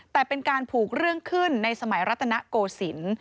แต่เป็นการผูกเรื่องขึ้นในสมัยรัตนโกศิลป์